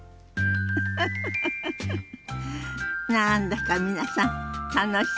フフフ何だか皆さん楽しそうね。